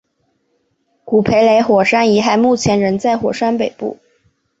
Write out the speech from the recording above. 古培雷火山遗骸目前仍在火山北部。